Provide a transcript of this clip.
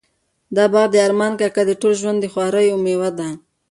دا باغ د ارمان کاکا د ټول ژوند د خواریو مېوه ده.